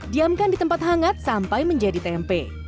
diamkan di tempat hangat sampai menjadi tempe